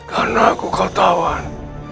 karena aku kotawan